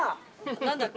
何だっけ。